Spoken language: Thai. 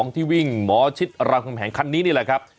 ที่วิ่งหมอชิดรามคำแหงคันนี้นี่แหละครับ